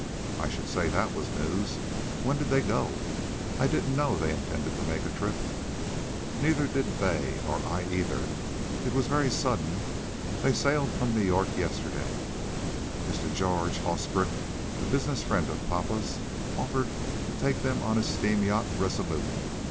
I should say that WAS news. When did they go? I didn't know they intended to make a trip." "Neither did they; nor I, either. It was very sudden. They sailed from New York yesterday. Mr. George Hosbrook, a business friend of papa's, offered to take them on his steam yacht, RESOLUTE.